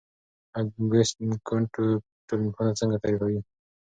اګوست کُنت ټولنپوهنه څنګه تعریفوي؟